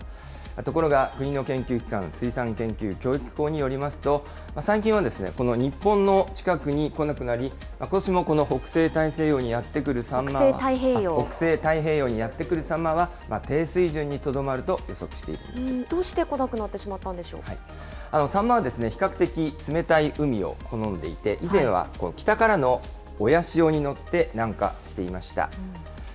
ところが国の研究機関、水産研究・教育機構によりますと、最近はこの日本の近くに来なくなり、ことしもこの北西太平洋にやって来る、サンマを、北西太平洋にやって来るサンマは低水準にとどまると予測しているどうして来なくなってしまっサンマはですね、比較的冷たい海を好んでいて、以前は北からの親潮に乗って南下していました。